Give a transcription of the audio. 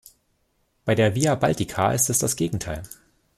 Bei der Via Baltica ist es das Gegenteil.